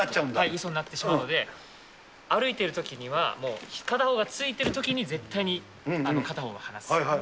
うそになってしまうので、歩いているときには、片方がついてるときに絶対に片方が放す。